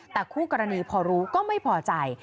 แต่คู่กรณีพอรู้ก็ไม่พอใจ